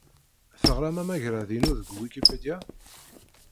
Teɣram amagrad-inu deg Wikipedia?